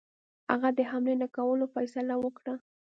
هغه د حملې نه کولو فیصله وکړه.